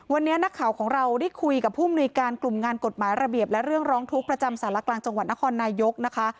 วันนี้นักข่าวของเราได้คุยกับผู้มนุยการกลุ่มงานกฎหมายระเบียบและเรื่องร้องทุกข์ประจำสารกลางจังหวัดนครนายกนะคะ